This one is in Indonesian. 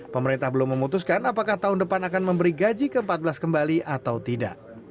pemerintah belum memutuskan apakah tahun depan akan memberi gaji ke empat belas kembali atau tidak